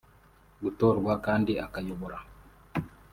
gutorwa kandi akayobora